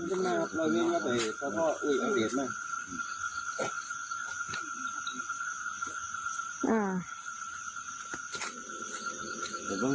อืม